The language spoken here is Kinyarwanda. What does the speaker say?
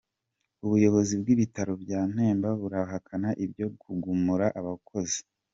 Ubuyobozi bw’Ibitaro bya Nemba burahakana ibyo kugumura abakozi.